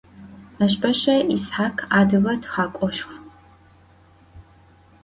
Meşbeş'e Yishakh adıge txek'oşşxu.